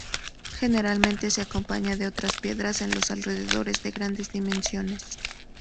Generalmente se acompaña de otras piedras en los alrededores de grandes dimensiones.